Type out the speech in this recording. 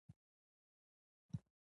افغانستان ته د اسلام پرمختګ پیل شو.